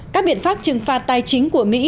các biện pháp trừng phạt tài chính của mỹ